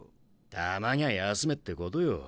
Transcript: たまにゃあ休めってことよ。